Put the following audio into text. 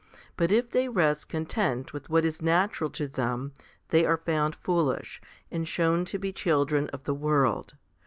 But if they rest content with what is natural to them, they are found foolish, and shown to be children of the world.